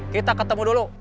kita ketemu dulu